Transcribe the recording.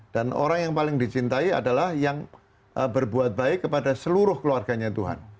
dan orang yang paling dicintai adalah yang berbuat baik kepada seluruh keluarganya tuhan